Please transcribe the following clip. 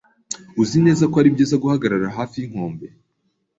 Uzi neza ko ari byiza guhagarara hafi yinkombe?